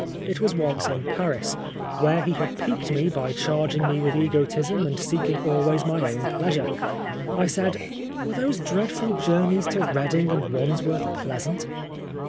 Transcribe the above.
It was once in Paris, whe.re he had piqued me by charging 228 Oscar Wilde me with egotism and seeking always my own pleasure. I said, " Were those dreadful journeys to Reading and Wandsworth pleasant